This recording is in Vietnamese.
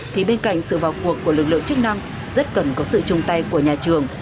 thì bên cạnh sự vào cuộc của lực lượng chức năng rất cần có sự chung tay của nhà trường